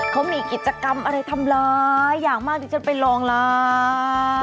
เขามีกิจกรรมอะไรทำลายอย่างมากที่ฉันไปลองลา